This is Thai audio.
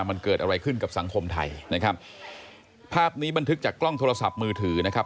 มันเกิดอะไรขึ้นกับสังคมไทยนะครับภาพนี้บันทึกจากกล้องโทรศัพท์มือถือนะครับ